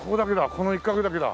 この一角だけだ。